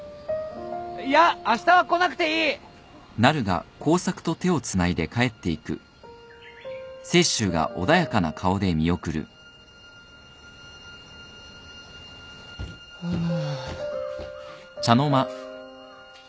いやあしたは来なくていい！ハァ。